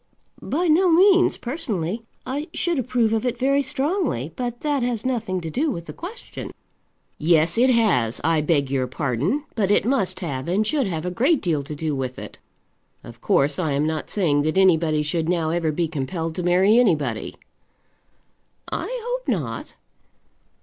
"By no means, personally. I should approve of it very strongly. But that has nothing to do with the question." "Yes, it has. I beg your pardon, but it must have, and should have a great deal to do with it. Of course, I am not saying that anybody should now ever be compelled to marry anybody." "I hope not."